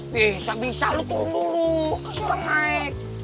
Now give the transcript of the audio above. bisa bisa lo turun dulu kasih orang naik